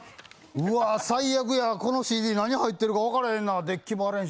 うわ、最悪や、このＣＤ何入ってるか分からん。